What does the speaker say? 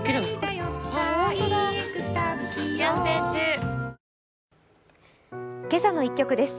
あふっ「けさの１曲」です。